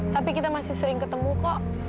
tapi kita masih sering ketemu kok